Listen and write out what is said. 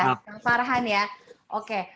kang farhan ya oke